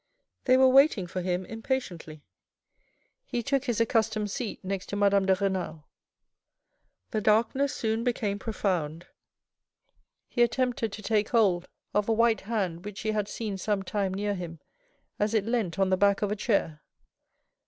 They were waiting for him impatiently. He took his ac customed seat next to Madame de Renal. The darkness soon became profound. He attempted to take hold of a white 68 THE RED AND THE BLACK hand which he had seen some time near him, as it leant on the back of a chair.